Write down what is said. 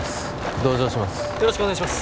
同乗します